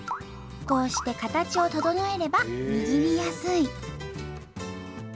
こうして形を整えれば握りやすい。